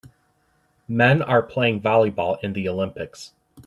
Men are playing volleyball in the olympics.